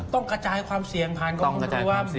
อ๋อต้องกระจายความเสี่ยงผ่านกองทุนรวม